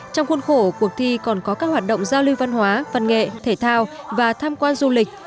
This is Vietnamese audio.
trong khuôn khổ cuộc thi còn có các hoạt động giao lưu văn hóa văn nghệ thể thao và tham quan du lịch